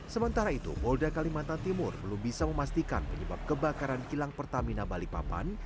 sementara itu polda kalimantan timur belum bisa memastikan penyebab kebakaran kilang pertamina balikpapan